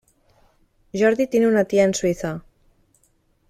Jordi tiene una tía en Suiza.